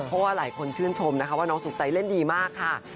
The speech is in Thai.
เพราะว่าหลายคนชื่นชมนะคะว่าน้องสุดใจเล่นดีมากค่ะ